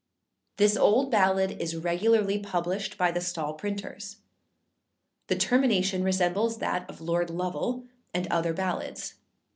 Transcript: [THIS old ballad is regularly published by the stall printers. The termination resembles that of Lord Lovel and other ballads.